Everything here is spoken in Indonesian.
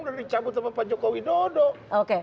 udah dicabut sama pak jokowi dodo